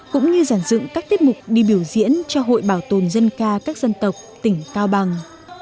cũng như giản dựng các tiết mục đi biểu diễn cho hội bảo tồn dân ca các dân tộc tỉnh cao bằng